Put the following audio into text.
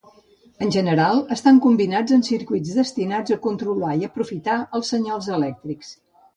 En general estan combinats en circuits destinats a controlar i aprofitar els senyals elèctrics.